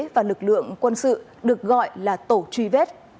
và lực lượng quân sự được gọi là tổ truy vết